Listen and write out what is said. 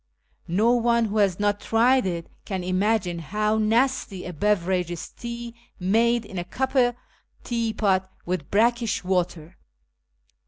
No one who has not tried it can imagine how nasty a beverage is tea made in a copper teapot with brackish water.